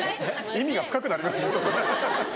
意味が深くなりますねちょっとねハハハハ。